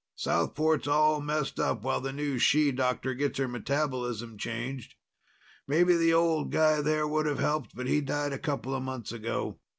Southport's all messed up while the new she doctor gets her metabolism changed. Maybe the old guy there would have helped, but he died a couple months ago.